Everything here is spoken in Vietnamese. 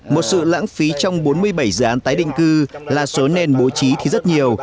một sự lãng phí trong bốn mươi bảy dự án tái định cư là số nền bố trí thì rất nhiều